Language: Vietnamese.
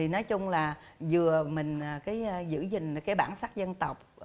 nói chung là vừa mình giữ gìn bản sắc dân tộc